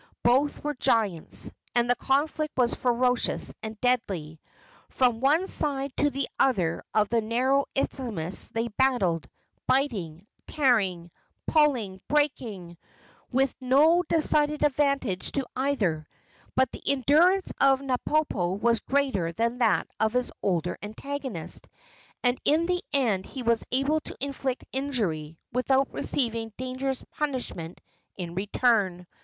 Both were giants, and the conflict was ferocious and deadly. From one side to the other of the narrow isthmus they battled, biting, tearing, pulling, breaking, with no decided advantage to either; but the endurance of Napopo was greater than that of his older antagonist, and in the end he was able to inflict injury without receiving dangerous punishment in return.